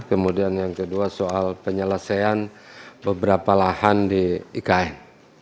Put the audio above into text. kemudian yang kedua soal penyelesaian beberapa lahan di ikn